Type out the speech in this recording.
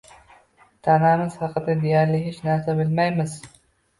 tanamiz haqida deyarli hech narsa bilmaymiz.